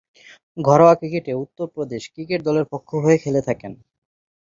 ঘরোয়া ক্রিকেটে উত্তর প্রদেশ ক্রিকেট দলের পক্ষ হয়ে খেলে থাকেন।